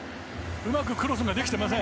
うまくクロスができていません。